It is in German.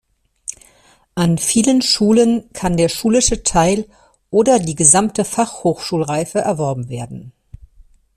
An vielen Schulen kann der schulische Teil oder die gesamte Fachhochschulreife erworben werden.